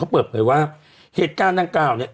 เขาเปิดไปว่าเหตุการณ์ทั้ง๙เนี่ย